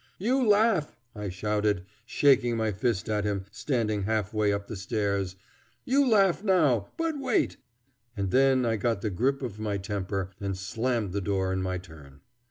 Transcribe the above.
"You laugh!" I shouted, shaking my fist at him, standing halfway up the stairs, "you laugh now, but wait " And then I got the grip of my temper and slammed the door in my turn.